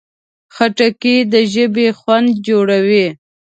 خټکی د ژبې خوند جوړوي.